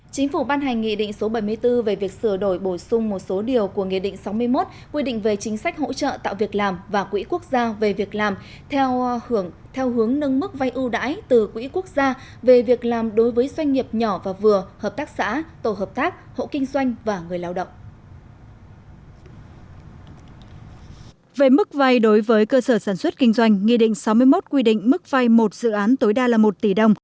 chính phủ ban hành nghị định số bảy mươi bốn về việc sửa đổi bổ sung một số điều của nghị định sáu mươi một quy định về chính sách hỗ trợ tạo việc làm và quỹ quốc gia về việc làm theo hướng nâng mức vay ưu đãi từ quỹ quốc gia về việc làm đối với doanh nghiệp nhỏ và vừa hợp tác xã tổ hợp tác hộ kinh doanh và người lao động